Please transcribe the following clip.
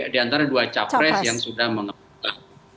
di antara dua cawapres yang sudah mengeputang